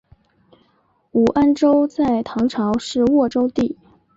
武安州在唐朝是沃州地。